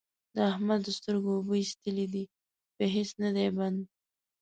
د احمد د سترګو اوبه اېستلې دي؛ په هيڅ نه دی بند،